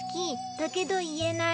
だけど言えない。